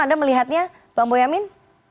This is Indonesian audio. anda melihatnya bang boyamin